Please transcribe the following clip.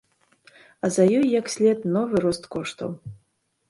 А за ёй, як след, новы рост коштаў.